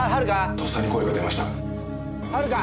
とっさに声が出ましたハルカ！